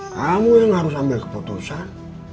kamu yang harus ambil keputusan